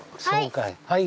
はい。